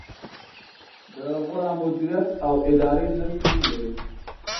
د غوره مدیریت او ادارې نه شتون دی.